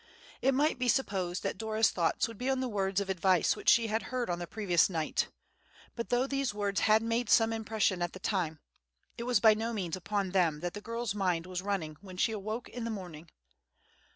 It might be supposed that Dora's thoughts would be on the words of advice which she had heard on the previous night; but though these words had made some impression at the time, it was by no means upon them that the girl's mind was running when she awoke in the morning.